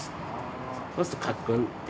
そうするとカクンって。